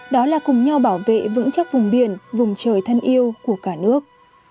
đó là cùng nhau bảo vệ vững chắc vùng biển vùng trời thân yêu của cả nước